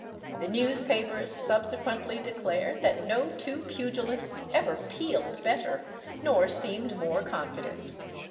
The newspapers subsequently declared that no two pugilists ever "peeled" better, nor seemed more confident.